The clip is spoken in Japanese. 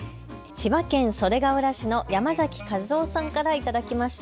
千葉県袖ケ浦市の山嵜和雄さんから頂きました。